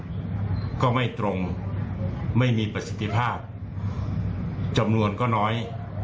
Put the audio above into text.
ก็ไม่ตรงไม่มีประสิทธิภาพจำนวนก็น้อย